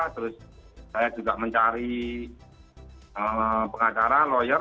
terus saya juga mencari pengacara lawyer